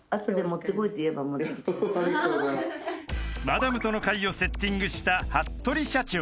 ［マダムとの会をセッティングした服部社長］